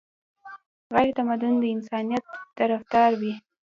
غیرتمند د انسانيت طرفدار وي